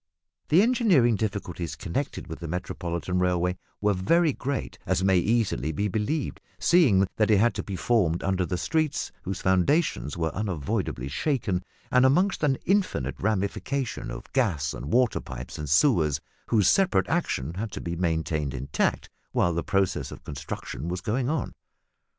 The engineering difficulties connected with the Metropolitan railway were very great as may easily be believed, seeing that it had to be formed under streets whose foundations were unavoidably shaken, and amongst an infinite ramification of gas and water pipes and sewers whose separate action had to be maintained intact while the process of construction was going on.